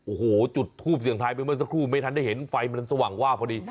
โอ้โหจุดทูปเสียงทายไปเมื่อสักครู่ไม่ทันได้เห็นไฟมันสว่างว่าพอดี